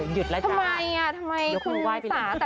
หยุดแล้วจ๊ะยกนูว่า๋ยไปแล้วนะคะทำไมทำไมคุณสา